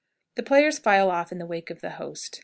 The players file off in the wake of the host.